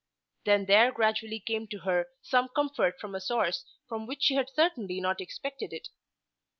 Then there gradually came to her some comfort from a source from which she had certainly not expected it.